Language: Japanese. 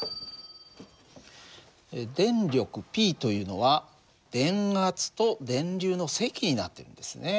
電力Ｐというのは電圧と電流の積になってるんですね。